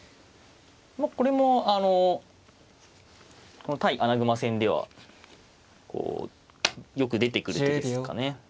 これもあのこの対穴熊戦ではよく出てくる手ですかね。